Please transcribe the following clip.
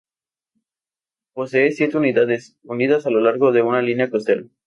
Posee siete unidades, unidas a lo largo de una línea costera.